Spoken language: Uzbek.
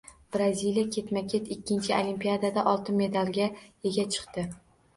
Braziliya ketma-ket ikkinchi Olimpiadada oltin medalga ega chiqdi